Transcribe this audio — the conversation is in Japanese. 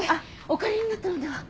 お帰りになったのでは？